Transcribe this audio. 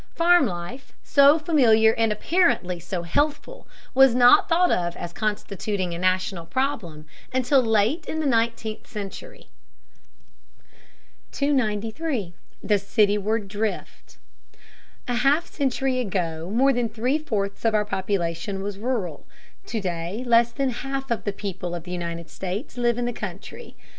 Farm life, so familiar and apparently so healthful, was not thought of as constituting a national problem until late in the nineteenth century. 293. THE CITYWARD DRIFT. A half century ago more than three fourths of our population was rural; to day less than half of the people of the United States live in the country.